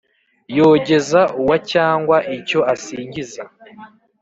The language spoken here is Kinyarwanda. yogeza uwo cyangwa icyo asingiza